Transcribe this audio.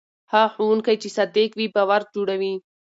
هغه ښوونکی چې صادق وي باور جوړوي.